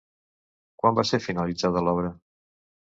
Quan va ser finalitzada l'obra?